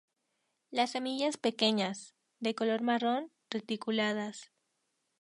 Las semillas pequeñas, de color marrón, reticuladas.